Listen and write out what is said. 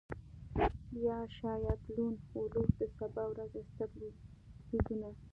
یا شاید لون وولف د سبا ورځې ستر لیدونه